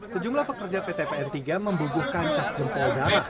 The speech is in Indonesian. sejumlah pekerja ptpn tiga membubuhkan cap jempol darah